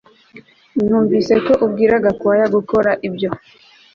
Numvise ko ubwira Gakwaya gukora ibyo